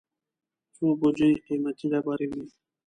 څو بوجۍ قېمتي ډبرې وې.